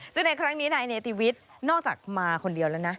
ซึ่งในครั้งนี้นายเนติวิทย์นอกจากมาคนเดียวแล้วนะ